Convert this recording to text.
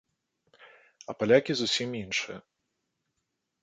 А палякі зусім іншыя.